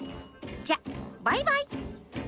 じゃ、バイバイ。